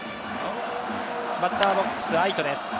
バッターボックス・愛斗です。